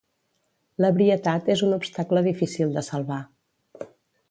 L'ebrietat és un obstacle difícil de salvar.